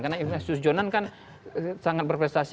karena ignatius jonan kan sangat berprestasi